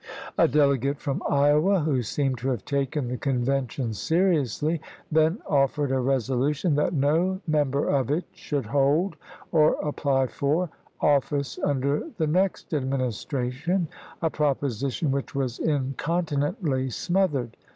A delegate from Iowa, who seemed to have taken the Convention seriously, then offered a resolution that no member of it should hold, or apply for, office under the next Administration — a proposition which was incontinently smothered.